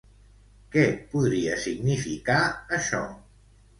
Què podria significar això?